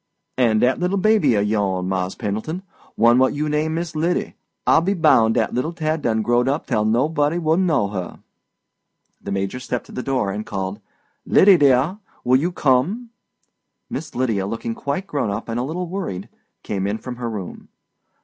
"And dat little baby of yo'n, Mars' Pendleton—one what you name Miss Lyddy—I be bound dat little tad done growed up tell nobody wouldn't know her." The Major stepped to the door and called: "Lydie, dear, will you come?" Miss Lydia, looking quite grown up and a little worried, came in from her room.